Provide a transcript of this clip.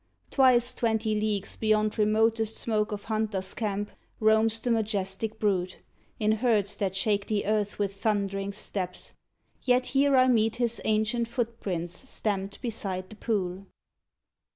Twice twenty leagues Beyond remotest smoke of hunter's camp, Roams the majestic brute, in herds that shake The earth with thundering steps yet here I meet His ancient footprints stamped beside the pool.